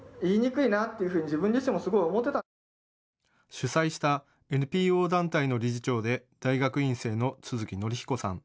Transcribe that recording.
主催したＮＰＯ団体の理事長で大学院生の都築則彦さん。